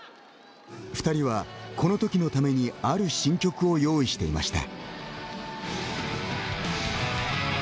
二人はこの時のためにある新曲を用意していました。